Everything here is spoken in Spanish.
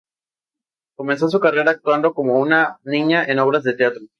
Comenzó su carrera actuando como una niña en obras de teatro.